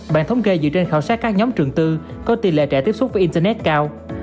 bản thống kê dựa trên khảo sát các nhóm trường tư có tỷ lệ trẻ tiếp xúc với internet cao